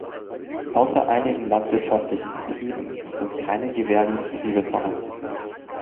Außer einigen landwirtschaftlichen Betrieben sind keine Gewerbebetriebe vorhanden.